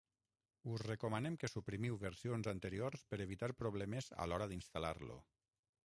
Us recomanem que suprimiu versions anteriors per evitar problemes a l'hora d'instal·lar-lo.